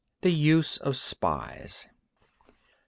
THE USE OF SPIES 1.